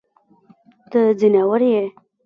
ته ځناور يې.